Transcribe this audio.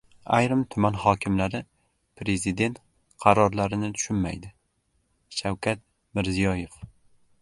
Ayrim tuman hokimlari prezident qarorlarini tushunmaydi – Shavkat Mirziyoyev